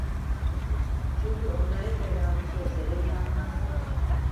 Çünkü onlar evvela bu sözlere inanmazlar.